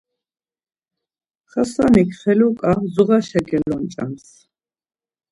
Hasanik feluka mzuxaşa gelonç̌ams.